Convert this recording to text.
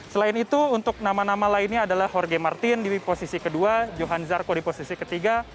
selain itu untuk nama nama lainnya adalah jorge martin di posisi kedua johan zarco di posisi ketiga